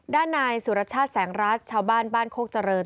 ด้านนายสุรชาติแสงรัฐชาวบ้านบ้านโคกเจริญ